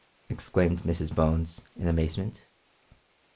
exclaimed Mrs Bones in amazement.